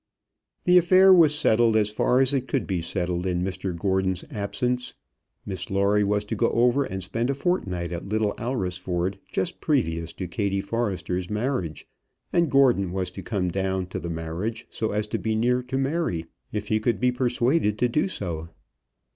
The affair was settled as far as it could be settled in Mr Gordon's absence. Miss Lawrie was to go over and spend a fortnight at Little Alresford just previous to Kattie Forrester's marriage, and Gordon was to come down to the marriage, so as to be near to Mary, if he could be persuaded to do so.